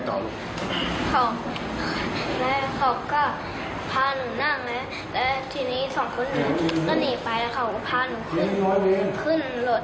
ทีนี้สองคนหนูก็หนีไปพาหนูขึ้นรถ